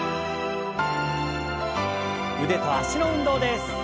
腕と脚の運動です。